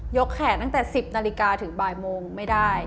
แขกตั้งแต่๑๐นาฬิกาถึงบ่ายโมงไม่ได้